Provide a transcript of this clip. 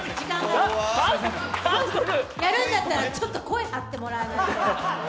やるんだったら、ちょっと声張ってもらわないと。